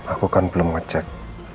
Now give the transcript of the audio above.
aku kan belum ngecek